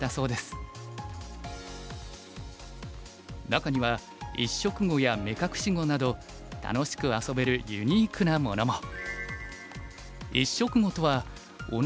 中には一色碁や目隠し碁など楽しく遊べるユニークなものも。